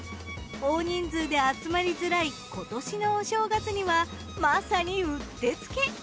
大人数で集まりづらい今年のお正月にはまさにうってつけ！